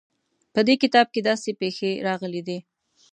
په دې کتاب کې داسې پېښې راغلې دي.